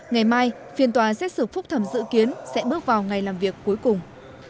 ngày mai phiên tòa xét xử phúc thẩm dự kiến sẽ bước vào ngày làm việc cuối cùng